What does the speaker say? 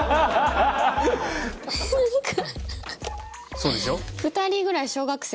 そうでしょ？